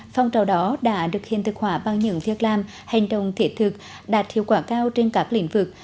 phong trào đó đã được hiện thực hỏa bằng những việc làm hành động thể thực đạt hiệu quả cao trên các lĩnh vực